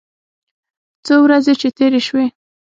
څو ورځې چې تېرې سوې.